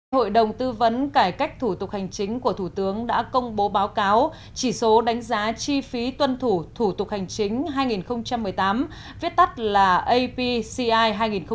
hội đồng tư vấn cải cách thủ tục hành chính của thủ tướng đã công bố báo cáo chỉ số đánh giá chi phí tuân thủ thủ tục hành chính hai nghìn một mươi tám viết tắt là apci hai nghìn một mươi chín